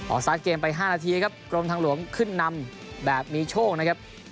สตาร์ทเกมไป๕นาทีครับกรมทางหลวงขึ้นนำแบบมีโชคนะครับ